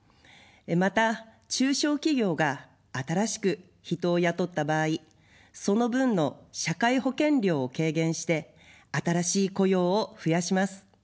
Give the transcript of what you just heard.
また中小企業が新しく人を雇った場合、その分の社会保険料を軽減して新しい雇用を増やします。